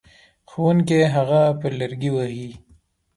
ښوونکی هغه په لرګي وهي.